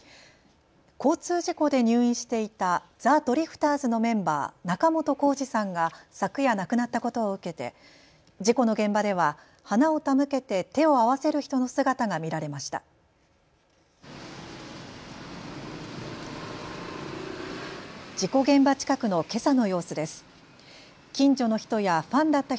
交通事故で入院していたザ・ドリフターズのメンバー、仲本工事さんが昨夜、亡くなったことを受けて事故の現場では花を手向けて手を合わせる人の姿が見られました。